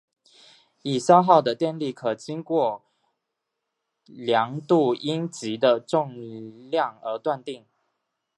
已消耗的电力可经过量度阴极的重量而断定。